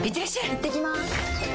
いってきます！